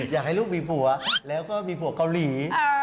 อยากให้ลูกมีผัวแล้วก็มีผัวเกาหลี